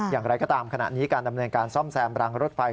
อย่างไรก็ตามขณะนี้การดำเนินการซ่อมแซมรางรถไฟ